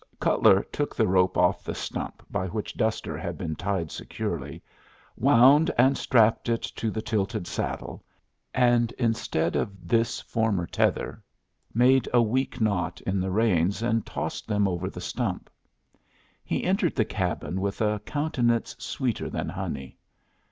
Cutler took the rope off the stump by which Duster had been tied securely, wound and strapped it to the tilted saddle, and instead of this former tether, made a weak knot in the reins, and tossed them over the stump. He entered the cabin with a countenance sweeter than honey.